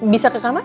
bisa ke kamar